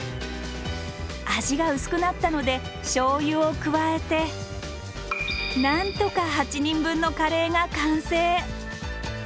味が薄くなったのでしょうゆを加えてなんとか８人分のカレーが完成。